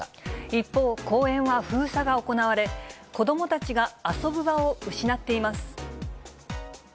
一方、公園は封鎖が行われ、子どもたちが遊ぶ場を失っています。